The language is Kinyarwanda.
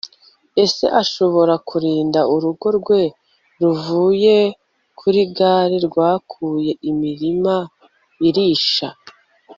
ese ashobora kurinda urugo rwe ruvuye kuri gales rwakuye imirima irisha